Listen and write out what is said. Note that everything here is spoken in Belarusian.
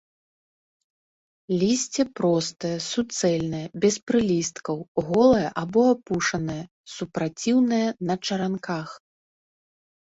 Лісце простае, суцэльнае, без прылісткаў, голае або апушанае, супраціўнае, на чаранках.